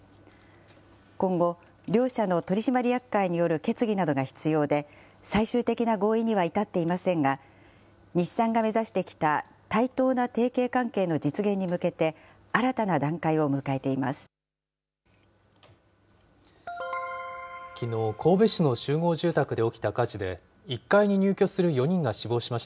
今後、両社の取締役会による決議などが必要で、最終的な合意には至っていませんが、日産が目指してきた対等な提携関係の実現に向けて、新たな段階を迎えています。